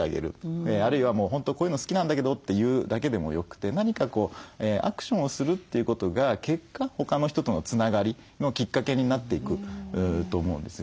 あるいはもう本当「こういうの好きなんだけど」って言うだけでもよくて何かアクションをするということが結果他の人とのつながりのきっかけになっていくと思うんですよね。